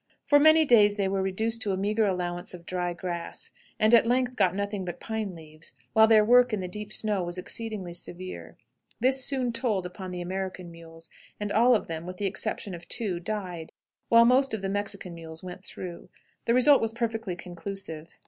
For many days they were reduced to a meagre allowance of dry grass, and at length got nothing but pine leaves, while their work in the deep snow was exceedingly severe. This soon told upon the American mules, and all of them, with the exception of two, died, while most of the Mexican mules went through. The result was perfectly conclusive.